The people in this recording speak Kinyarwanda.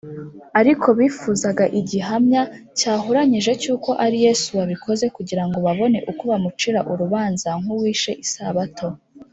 ariko bifuzaga igihamya cyahuranyije cy’uko ari Yesu wabikoze, kugira ngo babone uko bamucira urubanza nk’uwishe Isabato.